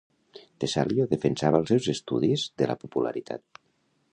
Tesalio defensava els seus estudis de la popularitat.